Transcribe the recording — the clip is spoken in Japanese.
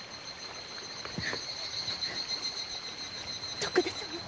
徳田様。